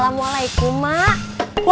ayo kawan hakim pada tambahan